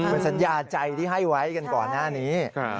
สัญญาใจที่ให้ไว้กันก่อนหน้านี้